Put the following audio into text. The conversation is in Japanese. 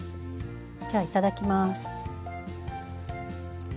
じゃあいただきます。